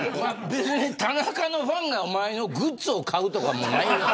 別に田中のファンがお前のグッズを買うとかないからね。